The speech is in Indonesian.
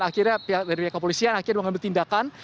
akhirnya pihak kepolisian akhirnya bertindakan